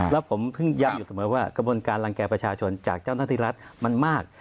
แล้วผมเพิ่งย้ำอยู่เสมอว่ากระบวนการรังแก่ประชาชนจากเจ้าหน้าที่รัฐมันมาก